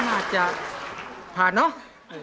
น่าจะผ่านเนาะ